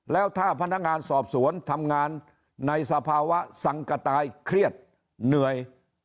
แล้วถ้าพนักงานสอบสวนทำงานในสภาวะสังกะตายเครียดเหนื่อย